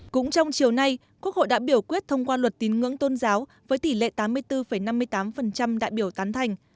cũng trong chiều nay quốc hội đã biểu quyết thông qua luật tín ngưỡng tôn giáo với tỷ lệ tám mươi bốn năm mươi tám đại biểu tán thành